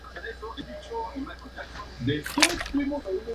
En intercambio, Asia recibía de Europa plata, ropajes, lino y otros bienes.